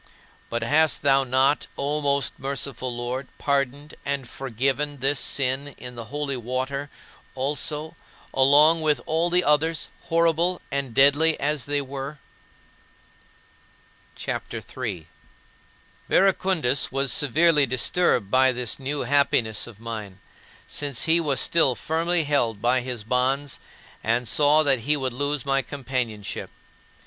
But hast thou not, O most merciful Lord, pardoned and forgiven this sin in the holy water also, along with all the others, horrible and deadly as they were? CHAPTER III 5. Verecundus was severely disturbed by this new happiness of mine, since he was still firmly held by his bonds and saw that he would lose my companionship.